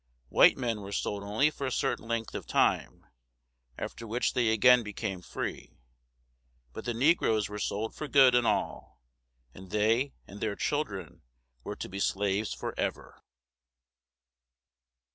White men were sold only for a certain length of time, after which they again became free; but the negroes were sold for good and all, and they and their children were to be slaves forever.